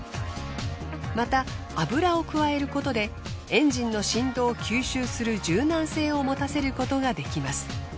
また油を加えることでエンジンの振動を吸収する柔軟性を持たせることができます。